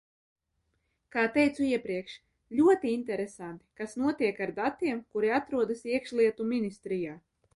Kā teicu iepriekš, ļoti interesanti, kas notiek ar datiem, kuri atrodas Iekšlietu ministrijā.